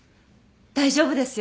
大丈夫ですよ。